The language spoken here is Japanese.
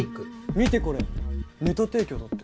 見てこれネタ提供だって。